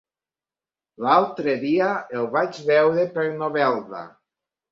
L'altre dia el vaig veure per Novelda.